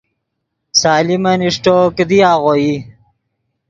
سلیمن اݰٹو، کیدی آغوئی